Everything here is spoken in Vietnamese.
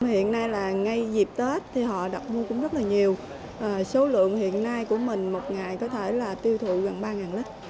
hiện nay là ngay dịp tết thì họ đọc mua cũng rất là nhiều số lượng hiện nay của mình một ngày có thể là tiêu thụ gần ba lít